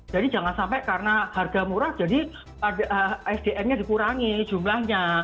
jadi jangan sampai karena harga murah jadi sdn nya dikurangi jumlahnya